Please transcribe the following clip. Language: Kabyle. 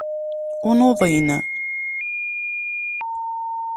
Ur nuḍin.